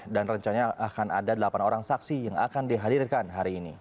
dan rencanya akan ada delapan orang saksi yang akan dihadirkan hari ini